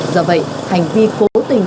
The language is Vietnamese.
do vậy hành vi cố tình